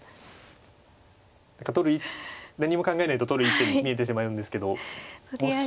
何も考えないと取る一手に見えてしまうんですけどもしや。